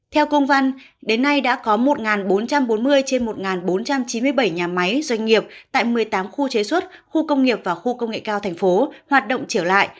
theo công văn đến nay đã có một bốn trăm bốn mươi trên một bốn trăm chín mươi bảy nhà máy doanh nghiệp tại một mươi tám khu chế xuất khu công nghiệp và khu công nghệ cao thành phố hoạt động trở lại